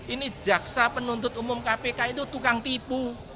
ini jaksa penuntut umum kpk itu tukang tipu